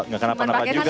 gak kena penampak juga ya